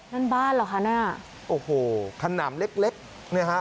นั่นบ้านเหรอคะเนี่ยโอ้โหขนำเล็กเล็กเนี่ยฮะ